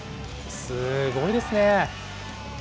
すごいですね。